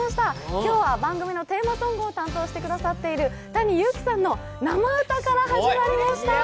今日は番組のテーマソングを担当してくださっているＴａｎｉＹｕｕｋｉさんの生歌から始まりました。